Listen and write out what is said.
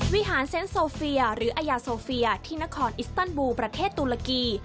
วิหารเซนต์โซเฟียหรืออายาโซเฟียที่นครอิสตันบูประเทศตุลกี